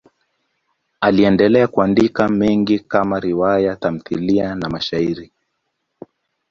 Aliendelea kuandika mengi kama riwaya, tamthiliya na mashairi.